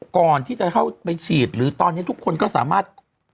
ก่อนที่จะเข้าไปฉีดหรือตอนนี้ทุกคนก็สามารถ